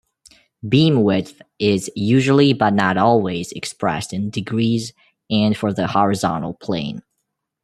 Beamwidth is usually but not always expressed in degrees and for the horizontal plane.